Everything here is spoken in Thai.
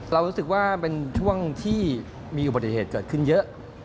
รู้สึกว่าเป็นช่วงที่มีอุบัติเหตุเกิดขึ้นเยอะ